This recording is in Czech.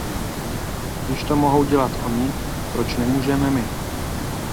Když to mohou dělat oni, proč nemůžeme my?